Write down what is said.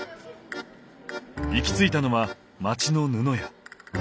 行き着いたのは町の布屋。